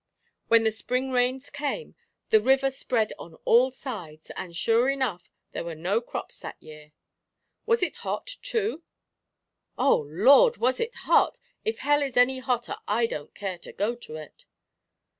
When the Spring rains came, the river spread on all sides, and, sure enough, there were no crops that year." "Was it hot, too?" "Oh, Lord! Was it hot? If hell is any hotter I don't care to go to it."